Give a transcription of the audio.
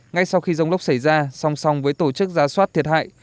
ngay sau khi rông lốc xảy ra song song với tổ chức giá soát thiệt hại